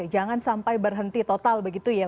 jangan sampai berhenti total begitu ya